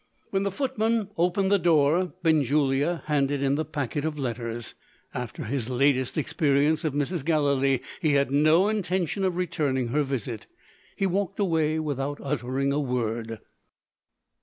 When the footman opened the door, Benjulia handed in the packet of letters. After his latest experience of Mrs. Gallilee, he had no intention of returning her visit. He walked away without uttering a word.